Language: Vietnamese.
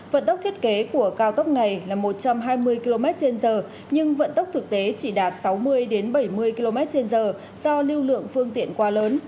vận tốc thiết kế của cao tốc này là một trăm hai mươi km trên giờ nhưng vận tốc thực tế chỉ đạt sáu mươi bảy mươi km trên giờ do lưu lượng phương tiện quá lớn